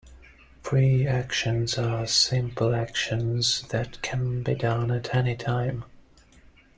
Free actions are simple actions that can be done at any time.